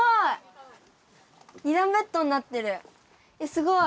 すごい！